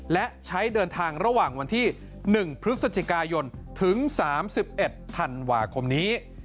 และใช้เดินทางระหว่างวันที่๑พฤศจิกายนถึง๓๑ธันวาคมนี้